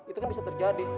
itu kan bisa terjadi